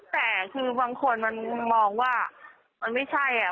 แต่คือบางคนมันมองว่ามันไม่ใช่อ่ะ